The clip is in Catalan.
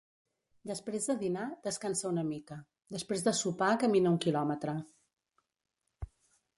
Després de dinar, descansa una mica; després de sopar camina un quilòmetre.